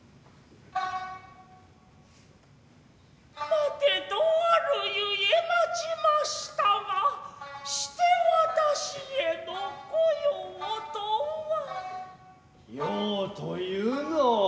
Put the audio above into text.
待てとある故待ちましたがして私への御用とは。用というのは外でもねえ。